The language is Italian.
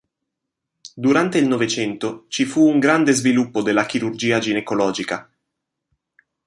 Durante il Novecento ci fu un grande sviluppo della chirurgia ginecologica.